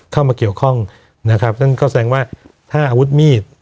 เข้ามาเกี่ยวข้องนะครับนั่นก็แสดงว่าถ้าอาวุธมีด